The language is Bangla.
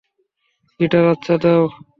গিটার, আচ্ছা দাও।